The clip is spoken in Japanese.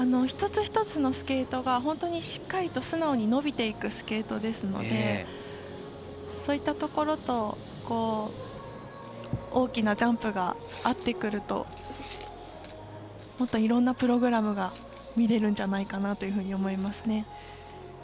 １つ１つのスケートが本当にしっかりと伸びていくスケートですのでそういったところと大きなジャンプが合ってくるともっといろんなプログラムが見れるんじゃないかなと思いますね。